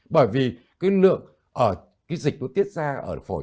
bởi vì cái lượng cái dịch nó tiết ra ở phổi